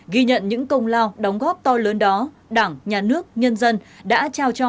ghi nhận những công lao đóng góp to lớn đó đảng nhà nước nhân dân đã trao cho